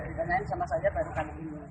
dikanyain sama saja baru kali ini